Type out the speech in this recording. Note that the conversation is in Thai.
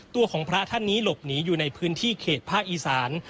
ตัวของพระท่านนี้หลบหนีอยู่ในพื้นที่เขตภาคอีสาน